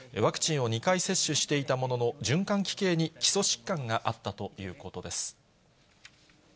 ワクチンを２回接種していたものの、循環器系に基礎疾患があったということです。